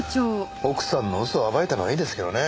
奥さんの嘘を暴いたのはいいですけどね。